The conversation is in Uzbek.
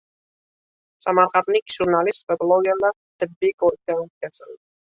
Samarqandlik jurnalist va blogerlar tibbiy ko‘rikdan o‘tkazildi